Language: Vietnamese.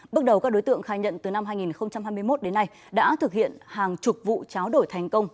bước đầu các đối tượng khai nhận từ năm hai nghìn hai mươi một đến nay đã thực hiện hàng chục vụ cháo đổi thành công